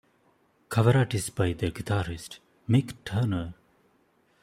Cover art is by their guitarist, Mick Turner.